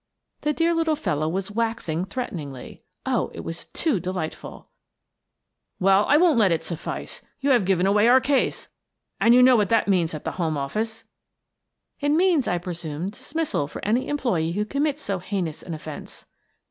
The dear little fellow was waxing threatening. Oh, it was too delightful !" Well, I won't let it suffice. You have given away our case — and you know what that means at the home office." "It means, I presume, dismissal for any employee who commits so heinous an offence."